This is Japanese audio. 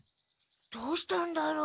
どうしたんだろう？